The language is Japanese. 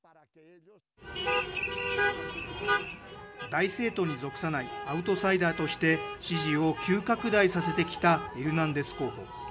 大政党に属さないアウトサイダーとして支持を急拡大させてきたエルナンデス候補。